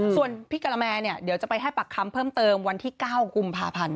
ส่วนพี่กะละแมเดี๋ยวจะไปให้ปากคำเพิ่มเติมวันที่๙กุมภาพันธ์